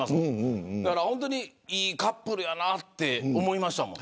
本当に、いいカップルやなって思いました。